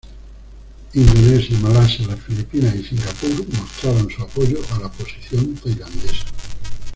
Indonesia, Malasia, las Filipinas y Singapur mostraron su apoyo a la posición tailandesa.